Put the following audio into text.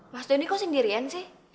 mas doni kok sendirian sih